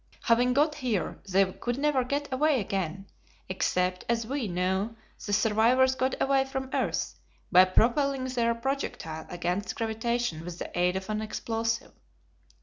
Having got here they could never get away again, except as we know the survivors got away from earth, by propelling their projectile against gravitation with the aid of an explosive."